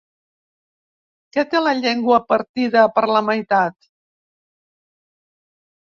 Que té la llengua partida per la meitat.